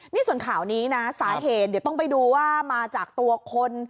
นี่ส่วนข่าวนี้นะสาเหตุเดี๋ยวต้องไปดูว่ามาจากตัวคน